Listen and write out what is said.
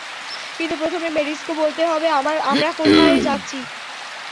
কিন্ত প্রথমে, মেভিসকে বলতে হবে আমরা কোথায় যাচ্ছি।